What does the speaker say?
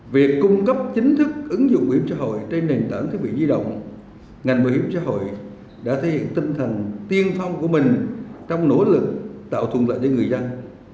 việc cung cấp chính thức ứng dụng bảo hiểm xã hội trên nền tảng thiết bị di động ngành bảo hiểm xã hội đã thể hiện tinh thần tiên phong của mình trong nỗ lực tạo thuận lợi cho người dân